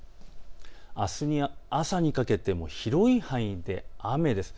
あすの朝にかけて広い範囲で雨です。